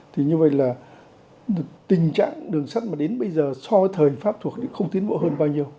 thì như vậy là tình trạng đường sắt mà đến bây giờ so với thời pháp thuộc thì không tiến bộ hơn bao nhiêu